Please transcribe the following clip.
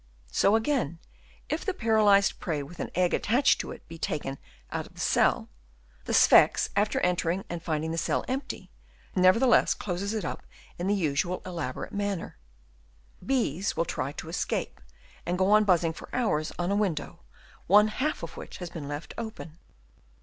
So again, if the paralysed prey with an egg attached to it be taken out of the cell, the Sphex after entering and finding the cell empty, nevertheless closes it up in the usual elaborate manner. Bees will try to escape and go on buzzing for hours on a window, one half of which has been left open.